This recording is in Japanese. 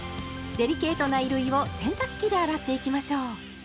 デリケートな衣類を洗濯機で洗っていきましょう。